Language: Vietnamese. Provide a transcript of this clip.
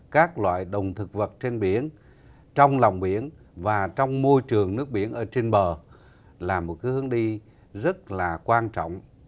các loại đồng thực vật trên biển trong lòng biển và trong môi trường nước biển ở trên bờ là một hướng đi rất là quan trọng